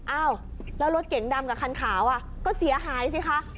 อ้าวแล้วรถเก๋งดำกับคันขาวก็เสียหายสิคะ